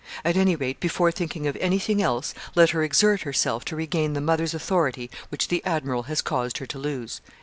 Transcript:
At any rate, before thinking of anything else, let her exert herself to regain the mother's authority which the admiral has caused her to lose."